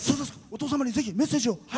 お父様にぜひメッセージを。